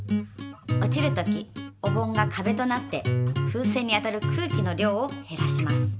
落ちる時お盆がかべとなって風船に当たる空気の量をへらします。